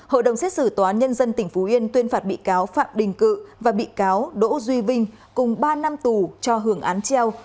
hội đồng xét xử tòa án nhân dân tỉnh phú yên tuyên phạt bị cáo phạm đình cự và bị cáo đỗ duy vinh cùng ba năm tù cho hưởng án treo